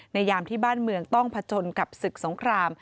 ยามที่บ้านเมืองต้องผจญกับศึกสงคราม